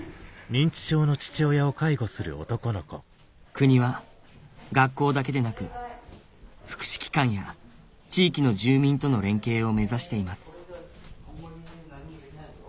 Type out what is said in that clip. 国は学校だけでなく福祉機関や地域の住民との連携を目指しています